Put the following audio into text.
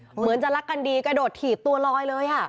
เหมือนจะรักกันดีกระโดดถีบตัวลอยเลย